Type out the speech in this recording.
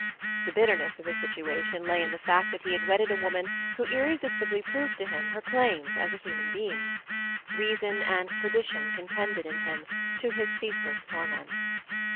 The bitterness of his situation lay in the fact that he had wedded a woman who irresistibly proved to him her claims as a human being. Reason and tradition contended in him, to his ceaseless torment.